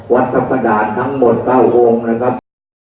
วัฒนภดานทั้งหมดเก้าห่วงนะครับ